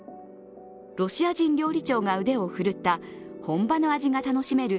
ロシア人料理長が腕を振るった本場の味が楽しめる